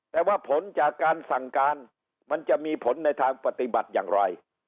แต่ว่าผลจากการสั่งการมันจะมีผลในทางปฏิบัติอย่างไร